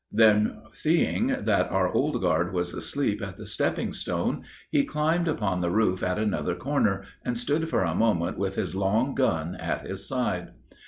Then seeing that our old guard was asleep at the stepping stone, he climbed upon the roof at another corner, and stood for a moment with his long gun at his side.